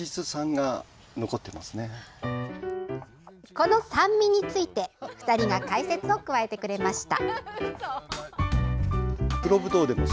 この酸味について２人が解説を加えてくれました。